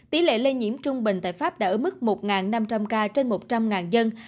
tỷ lệ lây nhiễm trung bình tại pháp đã ở mức một năm trăm linh ca trên một trăm linh dân